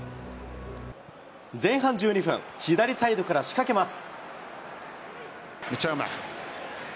前半１２分、左サイドから仕掛けます。